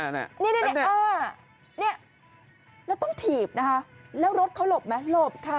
นี่นี่นี่อ่านี่แล้วต้องถีบนะฮะแล้วรถเขาหลบมั้ยหลบค่ะ